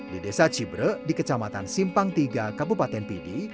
di desa cibre di kecamatan simpang tiga kabupaten pidi